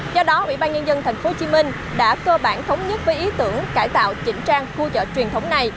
do đó ủy ban nhân dân tp hcm đã cơ bản thống nhất với ý tưởng cải tạo chỉnh trang khu chợ truyền thống này